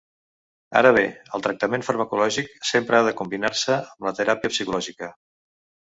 Ara bé, el tractament farmacològic sempre ha de combinar-se amb la teràpia psicològica.